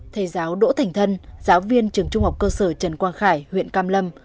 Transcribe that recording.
thầy giáo đỗ thành thân giáo viên trường trung học cơ sở trần quang khải huyện cam lâm